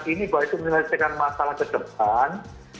ini saya menyakitkan masalah ke depan